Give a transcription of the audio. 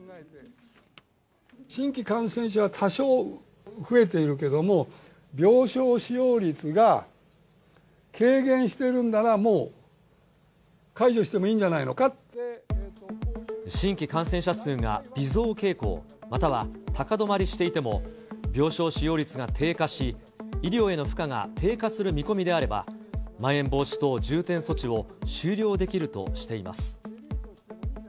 新規感染者は多少増えているけども、病床使用率が軽減しているんならもう解除してもいいんじゃないの新規感染者数が微増傾向、または高止まりしていても、病床使用率が低下し、医療への負荷が低下する見込みであれば、まん延防止等重点措置を終了できるとしています。